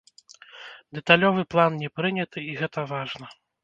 Дэталёвы план не прыняты, і гэта важна.